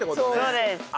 そうです！